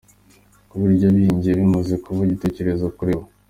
Kurya ibyo bihingiye bimaze kuba igitekerezo kuri bo